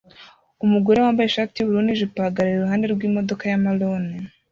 Umugore wambaye ishati yubururu nijipo ahagarara iruhande rwimodoka ya marone